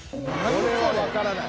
これはわからない。